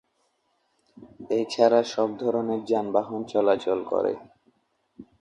এছাড়া সব ধরনের যানবাহন চলাচল করে।